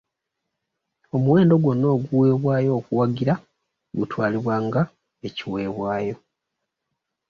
Omuwendo gwonna oguweebwayo okuwagira gutwalibwa nga ekiweebwayo.